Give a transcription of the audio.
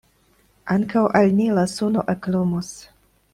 Ankaŭ al ni la suno eklumos.